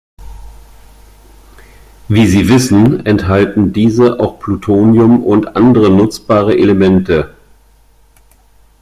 Wie Sie wissen, enthalten diese auch Plutonium und andere nutzbare Elemente.